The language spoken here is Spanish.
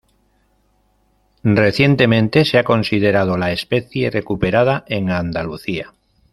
Recientemente se ha considerado la especie recuperada en Andalucía.